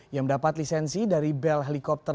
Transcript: yang mendapat lisensi dari bel helikopter